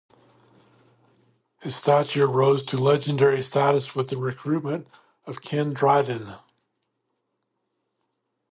His stature rose to legendary status with the recruitment of Ken Dryden.